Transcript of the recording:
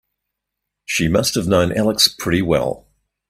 She must have known Alex pretty well.